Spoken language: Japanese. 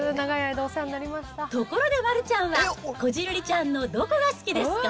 ところで丸ちゃんは、こじるりちゃんのどこが好きですか？